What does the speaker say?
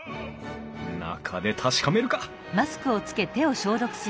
中で確かめるか